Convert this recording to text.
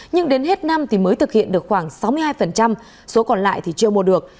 nhưng đến hết năm mới thực hiện được khoảng sáu mươi hai số còn lại chưa mua được